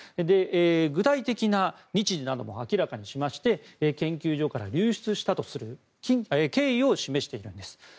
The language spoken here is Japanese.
具体的な日時なども明らかにしまして研究所から流出したとする経緯を示しているんです。